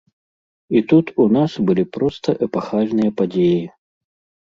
І тут у нас былі проста эпахальныя падзеі.